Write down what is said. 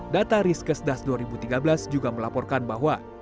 data riskesdas dua ribu tiga belas juga melaporkan bahwa